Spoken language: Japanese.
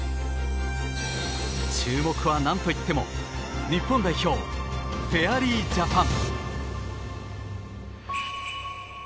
注目は何といっても日本代表、フェアリージャパン。